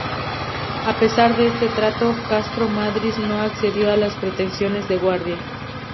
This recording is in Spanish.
A pesar de ese trato, Castro Madriz no accedió a las pretensiones de Guardia.